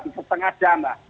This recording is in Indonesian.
di setengah jam lah